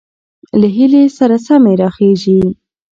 له هيلې سره سمې راخېژي،